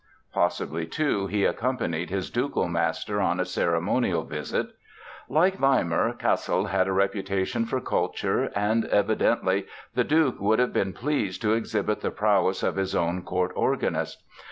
Possibly, too, he accompanied his ducal master on a ceremonial visit. Like Weimar, Cassel had a reputation for culture and evidently the Duke would have been pleased to exhibit the prowess of his own court organist.